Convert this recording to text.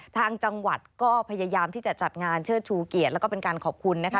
ทางจังหวัดก็พยายามที่จะจัดงานเชิดชูเกียรติแล้วก็เป็นการขอบคุณนะคะ